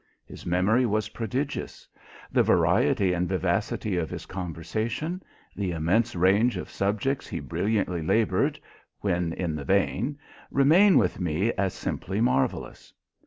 His memory was prodigious. The variety and vivacity of his conversation, the immense range of subjects he brilliantly laboured, when in the vein, remain with me as simply marvellous.